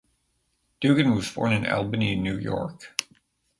Dugan was born in Albany, New York.